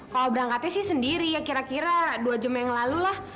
kalau berangkatnya sih sendiri ya kira kira dua jam yang lalu lah